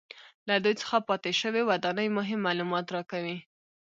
له دوی څخه پاتې شوې ودانۍ مهم معلومات راکوي